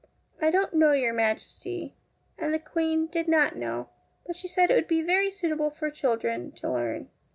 ' I don't know, your Majesty,' and the Queen did not know, but she said it would be very suitable for children to learn.